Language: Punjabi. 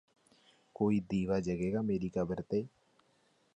ਕੋਈ ਦੀਵਾ ਜਗੇਗਾ ਮੇਰੀ ਕਬਰ ਤੇ